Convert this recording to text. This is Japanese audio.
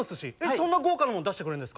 そんな豪華なもの出してくれるんですか？